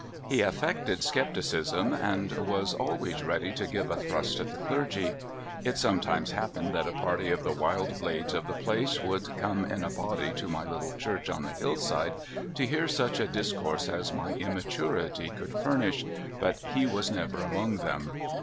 He affected skepticism, and R as always ready to give a thrust at the clergy. It eometimes happened hat a party of the wild (59) 60 BligJited. blades of the place would come in a body to my lit tle church on the hill side, to hear such a discourse as my immaturity could furnish, but he was never among them.